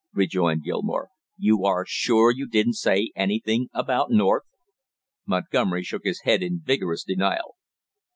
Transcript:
rejoined Gilmore. "You are sure you didn't say anything about North?" Montgomery shook his head in vigorous denial.